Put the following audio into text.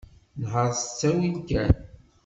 Nheṛ s ttawil kan.